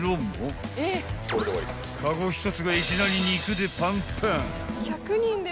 ［カゴ１つがいきなり肉でパンパン］